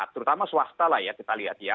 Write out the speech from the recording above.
terutama swasta lah ya kita lihat ya